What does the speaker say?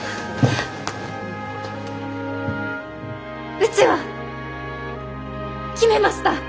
うちは決めました！